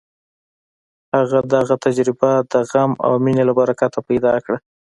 هغه دغه تجربه د غم او مینې له برکته پیدا کړه